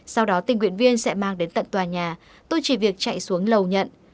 sau đó tình nguyện viên sẽ mang đến tận tòa nhà tôi chỉ việc chạy xuống lầu nhận